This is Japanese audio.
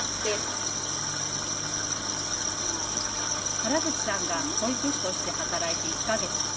原口さんが保育士として働いて１か月。